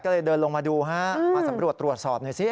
ก็เลยเดินลงมาดูฮะมาสำรวจตรวจสอบหน่อยสิ